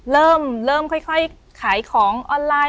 เริ่มค่อยขายของออนไลน์